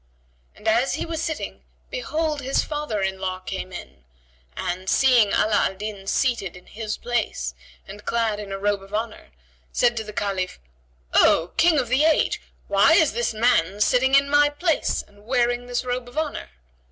And as he was sitting behold, his father in law came in and, seeing Ala al Din seated in his place and clad in a robe of honour, said to the Caliph, "O King of the age, why is this man sitting in my place and wearing this robe of honour?"